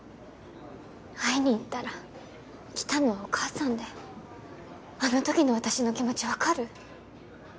会いに行ったら来たのはお母さんであの時の私の気持ち分かる？